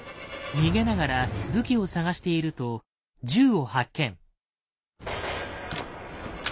逃げながら武器を探していると銃を発見。